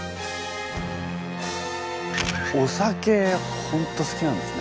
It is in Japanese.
お酒本当好きなんですね。